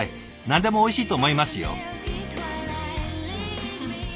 何でもおいしいと思いますよ。